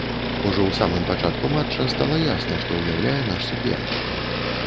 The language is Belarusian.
Ужо ў самым пачатку матча стала ясна, што ўяўляе наш супернік.